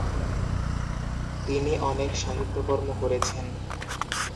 তিনি অনেক সাহিত্যকর্ম করেছেন।